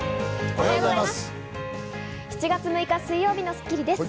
おはようございます。